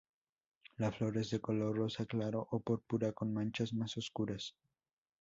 La flor es de color rosa claro o púrpura con manchas más oscuras.